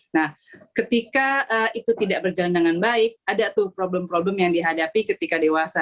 nah ketika itu tidak berjalan dengan baik ada tuh problem problem yang dihadapi ketika dewasa